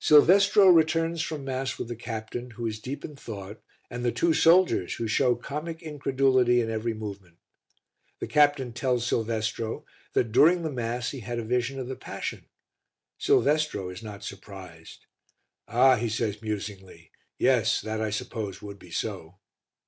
Silvestro returns from Mass with the captain, who is deep in thought, and the two soldiers, who show comic incredulity in every movement. The captain tells Silvestro that during Mass he had a vision of the Passion. Silvestro is not surprised. "Ah!" he says musingly, "yes; that, I suppose, would be so."